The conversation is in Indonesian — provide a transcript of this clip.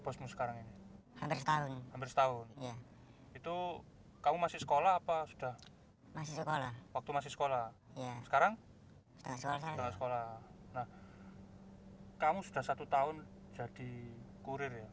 saya masih ada sih